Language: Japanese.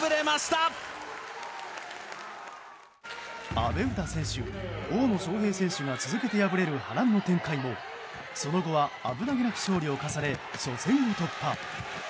阿部詩選手、大野将平選手が続けて敗れる波乱の展開もその後は、危なげなく勝利を重ね初戦を突破。